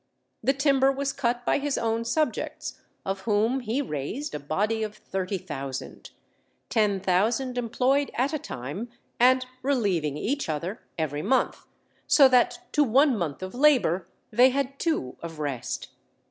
The timber was cut by his own subjects, of whom he raised a body of thirty thousand; ten thousand employed at a time, and relieving each other every month; so that to one month of labor they had two of rest.